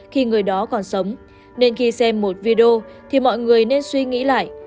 khi người đó còn sống nên khi xem một video thì mọi người nên suy nghĩ lại